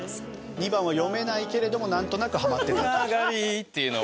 ２番は読めないけれどもなんとなくハマってたと？っていうのが。